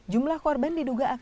jumlah korban diduga akibatnya